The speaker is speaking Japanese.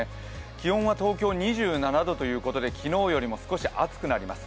気温は東京２７度ということで、昨日よりも暑くなります。